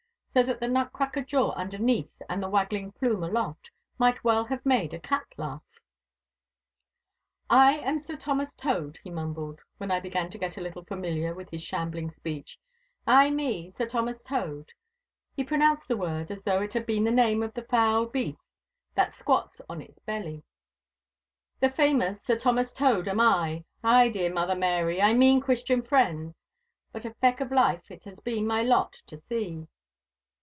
So that the nut cracker jaw underneath and the waggling plume aloft might well have made a cat laugh. 'I am Sir Thomas Tode,' he mumbled, when I began to get a little familiar with his shambling speech—'ay me, Sir Thomas Tode' (he pronounced the word as though it had been the name of the foul beast that squats on its belly), 'the famous Sir Thomas Tode am I. Ay, dear mother Mary—I mean Christian friends, but a feck of life it has been my lot to see.